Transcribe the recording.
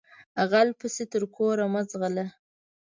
غل پسې تر کوره مه ځغلهٔ